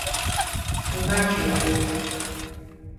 Имаҷҩуп урҭ!